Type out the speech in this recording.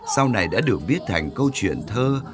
sau này đã được viết thành câu chuyện thơ